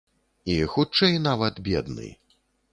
І хутчэй нават бедны.